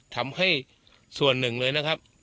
ทำให้ส่วนหนึ่งเลยนะครับ